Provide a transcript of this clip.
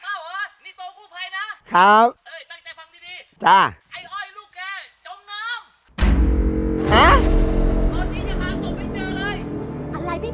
นี่ตรงผู้ไพรนะครับเอ้ยตั้งใจฟังดีดี